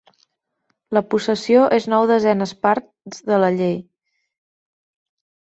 La possessió és nou desenes parts de la llei.